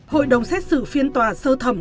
hội đồng xét xử phiên tòa sơ thẩm